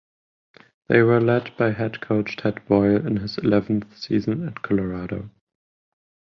They were led by head coach Tad Boyle in his eleventh season at Colorado.